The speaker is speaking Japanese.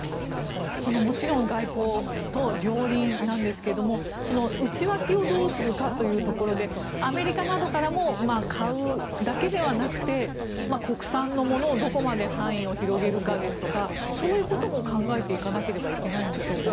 もちろん外交と両輪なんですが内訳をどうするかというところでアメリカなどからも買うだけではなくて国産のものをどこまで範囲を広げるですとかそういうことも考えていかなければいけないんでしょうか。